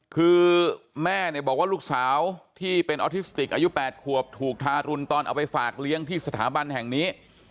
คือแม่เนี่ยบอกว่าลูกสาวที่เป็นออทิสติกอายุ๘ขวบถูกทารุณตอนเอาไปฝากเลี้ยงที่สถาบันแห่งนี้